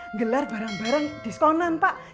menggelar barang barang diskonan pak